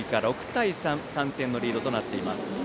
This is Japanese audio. ６対３３点のリードとなっています。